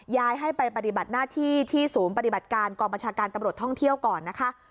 ย้ายให้ไปปฏิบัติหน้าที่ที่ศูนย์ปฏิบัติการกองบัญชาการตำรวจท่องเที่ยวก่อนนะคะ